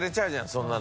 そんなの。